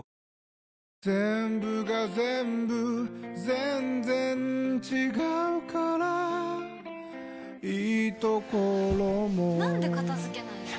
全然違うからいいところもなんで片付けないの？